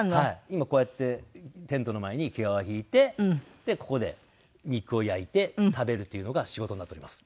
今こうやってテントの前に毛皮敷いてここで肉を焼いて食べるというのが仕事になっております。